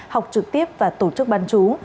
học trực tiếp và tổ chức ban chú